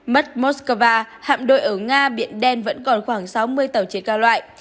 mất moskva hạm đội ở nga biển đen vẫn còn khoảng sáu mươi tàu chiến cao loại